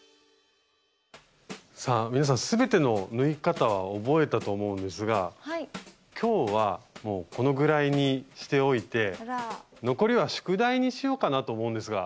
さあ皆さん全ての縫い方は覚えたと思うんですが今日はもうこのぐらいにしておいて残りは宿題にしようかなと思うんですが。